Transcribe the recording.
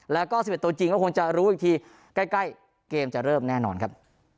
แล้วก็๑๑ตัวจริงก็คงจะรู้อีกทีใกล้เกมจะเริ่มแน่นอนครับ